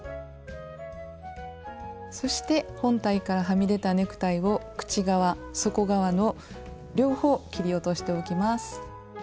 そして本体からはみ出たネクタイを口側底側の両方切り落としておきます。